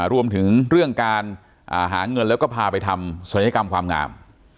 รวมถึงเรื่องการหาเงินแล้วก็พาไปทำศัลยกรรมความงาม